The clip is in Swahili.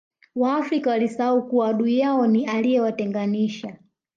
waafrika walisahau kuwa adui yao ni aliyewatenganisha